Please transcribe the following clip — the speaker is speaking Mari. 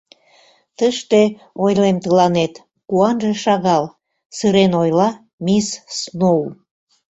Тыште, ойлем тыланет, куанже шагал, — сырен ойла мисс Сноу.